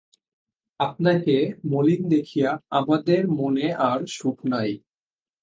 আপনাকে মলিন দেখিয়া আমাদের মনে আর সুখ নাই।